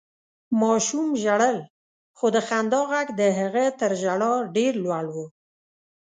ماشوم ژړل، خو د خندا غږ د هغه تر ژړا ډېر لوړ و.